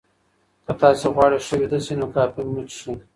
که تاسي غواړئ ښه ویده شئ، نو کافي مه څښئ.